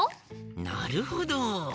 なるほど！